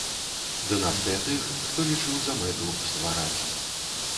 Дынастыя тых, хто лічыў за мэту ствараць.